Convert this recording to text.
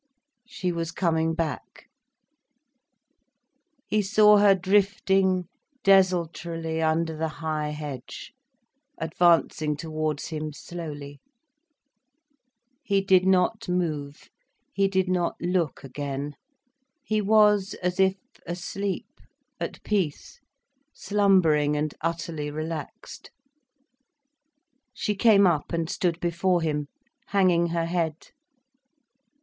She was coming back. He saw her drifting desultorily under the high hedge, advancing towards him slowly. He did not move, he did not look again. He was as if asleep, at peace, slumbering and utterly relaxed. She came up and stood before him, hanging her head.